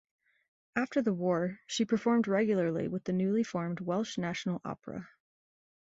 After the war, she performed regularly with the newly formed Welsh National Opera.